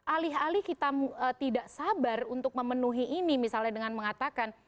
alih alih kita tidak sabar untuk memenuhi ini misalnya dengan mengatakan